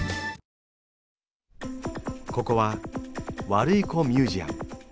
ここはワルイコミュージアム。